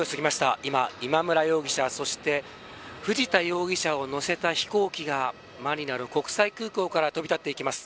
今、今村容疑者そして藤田容疑者を乗せた飛行機がマニラの国際空港から飛び立っていきます。